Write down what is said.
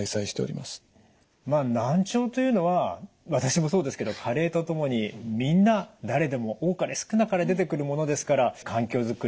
まあ難聴というのは私もそうですけど加齢とともにみんな誰でも多かれ少なかれ出てくるものですから環境づくり